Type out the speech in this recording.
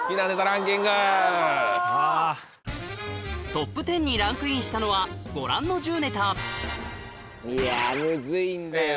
トップ１０にランクインしたのはご覧の１０ネタいやムズいんだよな。